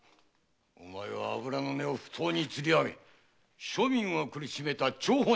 お前は油の値を不当につり上げ庶民を苦しめた張本人。